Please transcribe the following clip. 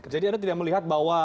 oke jadi anda tidak melihat bahwa